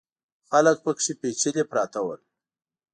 خلک پکې پېچلي پراته ول.